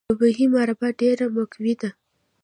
د بهي مربا ډیره مقوي ده.